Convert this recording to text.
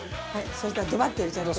そうしたらドバッと入れちゃって。